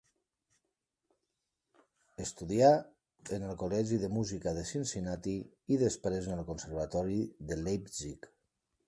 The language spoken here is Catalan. Estudià en el Col·legi de Música de Cincinnati i després en el Conservatori de Leipzig.